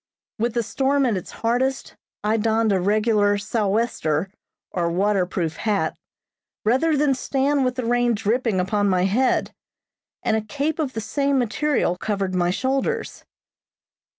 With the storm at its hardest, I donned a regular "sou'wester," or water proof hat, rather than stand with the rain dripping upon my head, and a cape of the same material covered my shoulders.